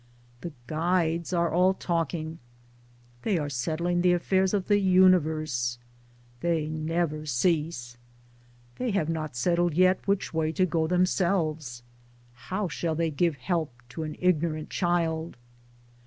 The guides are all talking. They are settling the affairs of the universe. [They never cease.] They have not settled yet which way to go themselves : how shall they give help to an ignorant child?